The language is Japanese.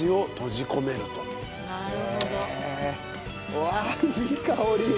うわあいい香り。